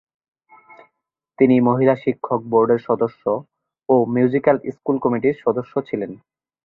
তিনি মহিলা শিক্ষক বোর্ডের সদস্য ও মিউজিক্যাল স্কুল কমিটির সদস্য ছিলেন।